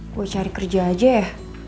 gue cari kerja aja ya